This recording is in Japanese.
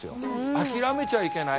諦めちゃいけない。